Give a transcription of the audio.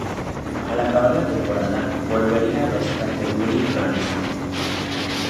Al acabar la temporada, volvería a los Canterbury Rams.